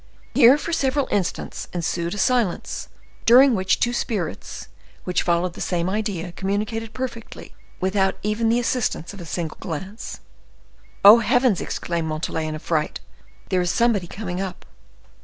Here, for several instants, ensued a silence, during which two spirits, which followed the same idea, communicated perfectly, without even the assistance of a single glance. "Oh, heavens!" exclaimed Montalais in a fright; "there is somebody coming up."